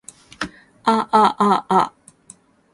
aaaa